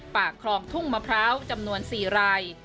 ปากคลองทุ่งมะพร้าวจำนวน๔ราย